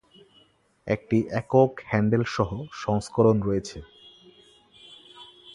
একটি একক হ্যান্ডেল সহ সংস্করণ রয়েছে।